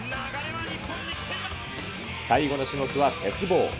最後の種目は鉄棒。